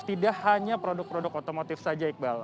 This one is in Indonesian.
tidak hanya produk produk otomotif saja iqbal